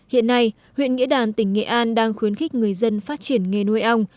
hiện nay huyện nghĩa đàn tỉnh nghệ an đang khuyến khích người dân phát triển nghề nuôi ong